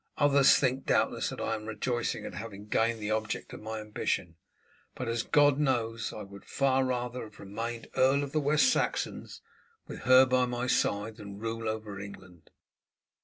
"Others think, doubtless, that I am rejoicing at having gained the object of my ambition, but as God knows, I would far rather have remained Earl of the West Saxons with her by my side than rule over England."